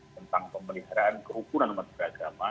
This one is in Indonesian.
tentang pemeliharaan kerubunan masjid agama